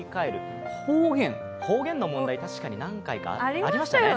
方言の問題、確かに何回かありましたよね。